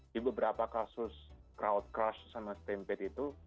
di beberapa kasus crowd crush sama stampede itu